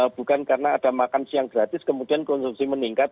bukan karena ada makan siang gratis kemudian konsumsi meningkat